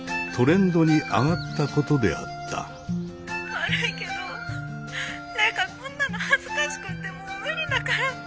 悪いけど玲香こんなの恥ずかしくてもう無理だから。